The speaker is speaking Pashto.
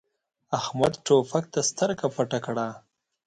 احمد توپک ته سترګه پټه کړه.